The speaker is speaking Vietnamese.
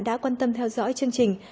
đã quan tâm theo dõi chương trình